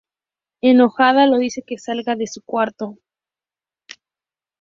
Enojada le dice que salga de su cuarto.